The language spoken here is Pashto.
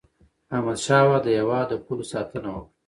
احمد شاه بابا د هیواد د پولو ساتنه وکړه.